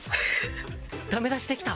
ダメ出しできた！